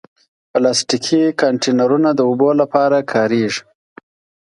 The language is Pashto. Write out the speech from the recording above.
پلاستيکي کانټینرونه د اوبو لپاره کارېږي.